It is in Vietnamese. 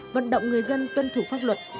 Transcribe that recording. vận động người dân tuân thủ pháp luật